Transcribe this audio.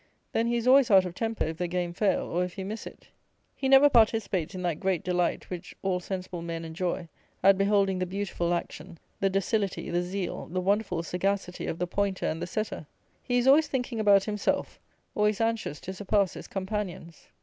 Then he is always out of temper, if the game fail, or if he miss it. He never participates in that great delight which all sensible men enjoy at beholding the beautiful action, the docility, the zeal, the wonderful sagacity of the pointer and the setter. He is always thinking about himself; always anxious to surpass his companions.